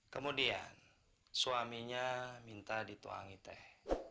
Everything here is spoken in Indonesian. kemudian suaminya minta dituangi teh